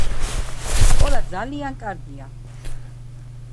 სკოლა ძალიან კარგია.